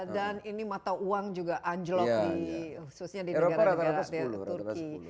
dan ini mata uang juga anjlok di khususnya di negara negara turki